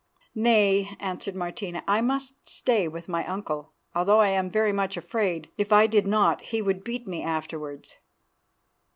"Nay," answered Martina, "I must stay with my uncle, although I am very much afraid. If I did not, he would beat me afterwards."